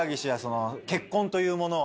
結婚というものは。